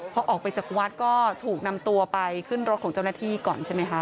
พอออกไปจากวัดก็ถูกนำตัวไปขึ้นรถของเจ้าหน้าที่ก่อนใช่ไหมคะ